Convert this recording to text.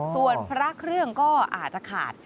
ส่วนพระเครื่องก็อาจจะขาด